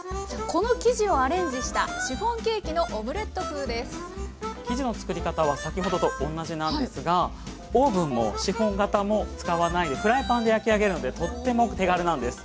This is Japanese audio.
この生地をアレンジした生地の作り方は先ほどとおんなじなんですがオーブンもシフォン型も使わないでフライパンで焼き上げるのでとっても手軽なんです。